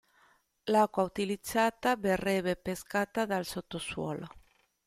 L'acqua utilizzata verrebbe pescata dal sottosuolo.